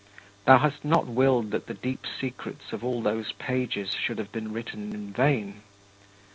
Thou hast not willed that the deep secrets of all those pages should have been written in vain.